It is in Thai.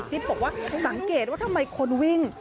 บอกว่าสังเกตว่าทำไมคนวิ่ง